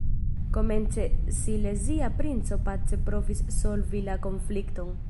Komence silezia princo pace provis solvi la konflikton.